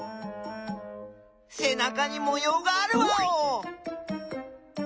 せなかにもようがあるワオ！